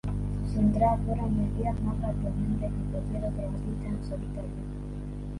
Sus entradas fueron vendidas más rápidamente que cualquier otro artista en solitario.